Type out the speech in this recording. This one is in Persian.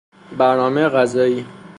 برنامه غذایی